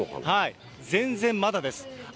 全然まだです。